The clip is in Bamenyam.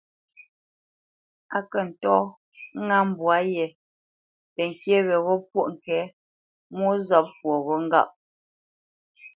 Á kə̂ ntɔ̂ ŋá mbwǎ yē təŋkyé weghó pwôʼ ŋke mwô zɔ̂p fwoghó ŋgâʼ.